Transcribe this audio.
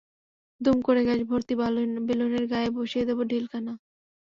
দুম করে গ্যাসভর্তি বেলুনের গায়ে বসিয়ে দেবে ঢিলখানা।